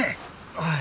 はい。